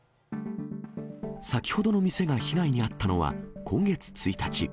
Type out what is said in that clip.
先ほどの店が被害に遭ったのは今月１日。